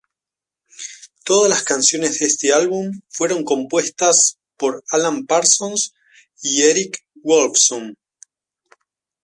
Todas las canciones de este álbum fueron compuestas por Alan Parsons y Eric Woolfson.